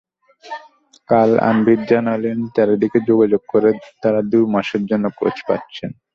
কাল আনভীর জানালেন, চারদিকে যোগাযোগ করে তাঁরা দু-এক মাসের জন্য কোচ পাচ্ছেন।